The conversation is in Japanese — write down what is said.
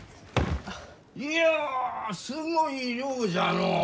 いやすごい量じゃのう！